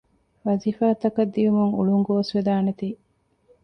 ވަޒީފާތަކަށް ދިއުމުން އުޅުން ގޯސްވެދާނެތީ